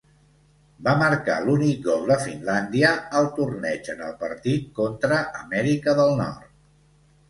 Va marcar l'únic gol de Finlàndia al torneig en el partit contra Amèrica del Nord.